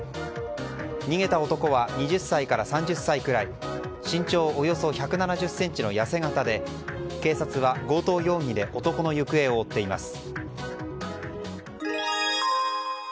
逃げた男は２０歳から３０歳くらい身長およそ１７０ｃｍの痩せ形で警察は強盗容疑で男の行方を追っています。